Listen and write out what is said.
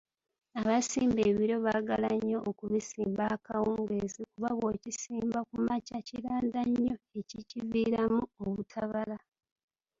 Abasimba ebiryo baagala nnyo okubisimba akawungeezi kuba bw’okisimba ku makya kiranda nnyo ekikiviiramu obutabala.